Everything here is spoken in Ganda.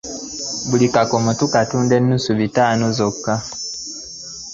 Buli kakomo tukatunda ennusu bitaano byoka.